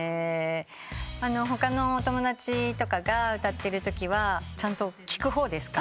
他のお友達とかが歌ってるときはちゃんと聴く方ですか？